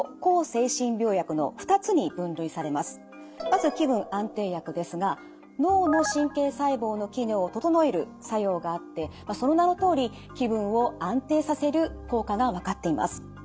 まず気分安定薬ですが脳の神経細胞の機能を整える作用があってその名のとおり気分を安定させる効果が分かっています。